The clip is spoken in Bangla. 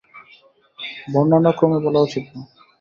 বর্ণানুক্রমে বলা উচিত না?